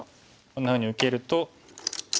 こんなふうに受けると。